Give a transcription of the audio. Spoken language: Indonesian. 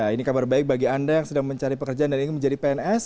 ini kabar baik bagi anda yang sedang mencari pekerjaan dan ingin menjadi pns